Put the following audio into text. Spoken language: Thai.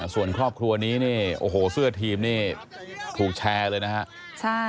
ส่วนครอบครัวนี้นี่โอ้โหเสื้อทีมนี่ถูกแชร์เลยนะครับ